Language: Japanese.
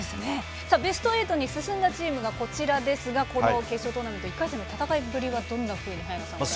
ベスト８に進んだチームがこちらですが決勝トーナメントの１回戦の戦いぶりはどんなふうになると思いますか。